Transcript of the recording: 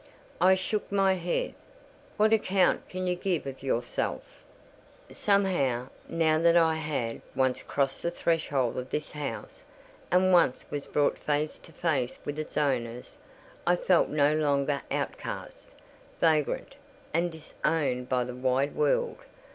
I shook my head. "What account can you give of yourself?" Somehow, now that I had once crossed the threshold of this house, and once was brought face to face with its owners, I felt no longer outcast, vagrant, and disowned by the wide world.